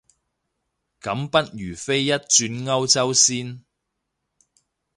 咁不如飛一轉歐遊先